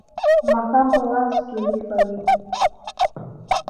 د ماښام په وخت ستوري ښکاري